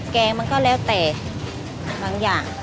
แกงมันก็แล้วแต่บางอย่าง